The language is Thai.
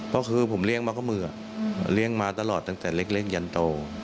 ก็คือผมเลี้ยงมาก็มือเลี้ยงมาตลอดตั้งแต่เล็กยันโต